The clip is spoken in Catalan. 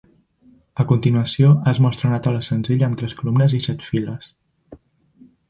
A continuació es mostra una taula senzilla amb tres columnes i set files.